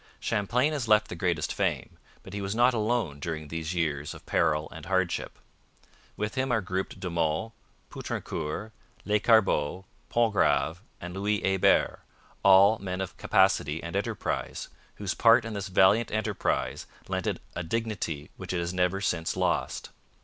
Champlain has left the greatest fame, but he was not alone during these years of peril and hardship. With him are grouped De Monts, Poutrincourt, Lescarbot, Pontgrave, and Louis Hebert, all men of capacity and enterprise, whose part in this valiant enterprise lent it a dignity which it has never since lost.